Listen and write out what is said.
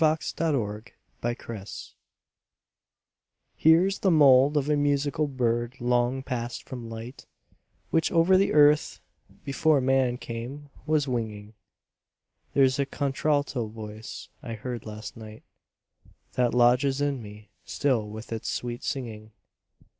IN A MUSEUM I HEREŌĆÖS the mould of a musical bird long passed from light, Which over the earth before man came was winging; ThereŌĆÖs a contralto voice I heard last night, That lodges in me still with its sweet singing.